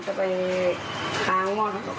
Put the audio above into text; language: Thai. จะไปหางอดของเขา